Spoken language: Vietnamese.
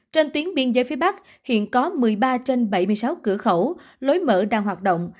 trên tuyến biên giới phía bắc hiện có một mươi ba trên bảy mươi sáu cửa khẩu lối mở đang hoạt động